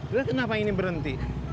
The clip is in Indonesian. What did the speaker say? lu kenapa ini berhenti